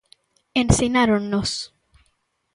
Ensináronnos.